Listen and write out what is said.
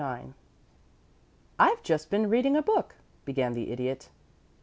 IX "I've just been reading a book," began the Idiot.